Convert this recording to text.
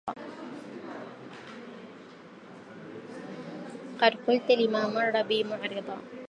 قد قلت لما مر بي معرضا